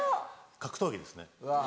格闘技ですね。